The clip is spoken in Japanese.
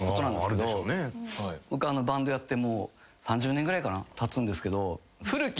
僕バンドやってもう３０年ぐらいかなたつんですけど。